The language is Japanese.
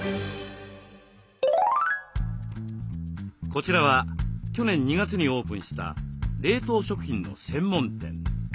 こちらは去年２月にオープンした冷凍食品の専門店。